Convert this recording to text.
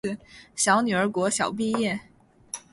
小女儿国小毕业